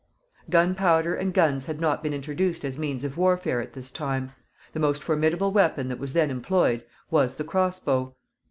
Gunpowder and guns had not been introduced as means of warfare at this time; the most formidable weapon that was then employed was the cross bow.